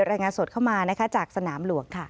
รายงานสดเข้ามาจากสนามหลวงค่ะ